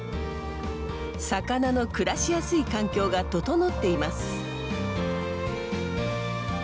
魚の暮らしやすい環境が整っています。